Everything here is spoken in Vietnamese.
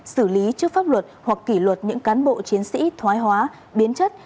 xử lý trước pháp luật hoặc kỷ luật những cán bộ chiến sĩ thoái hóa biến chất